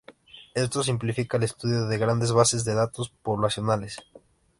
Esto simplifica el estudio de grandes bases de datos poblacionales.